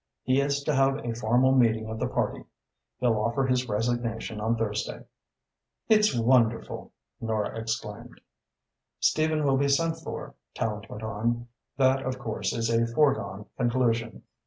He is to have a formal meeting of the party. He'll offer his resignation on Thursday." "It's wonderful!" Nora exclaimed. "Stephen will be sent for," Tallente went on. "That, of course, is a foregone conclusion.